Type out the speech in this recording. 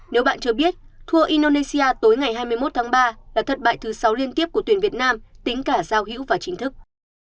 nếu bạn cho biết tour indonesia tối ngày hai mươi một tháng ba là thất bại thứ sáu liên tiếp của tuyển việt nam tính cả giao hữu và chính thức